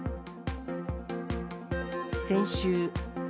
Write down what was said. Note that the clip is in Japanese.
先週。